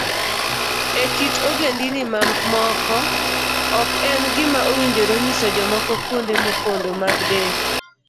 E kit ogendini moko, ok en gima owinjore nyiso jomoko kuonde mopondo mag del.